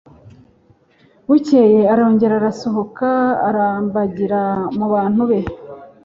bukeye arongera arasohoka arambagira mu bantu be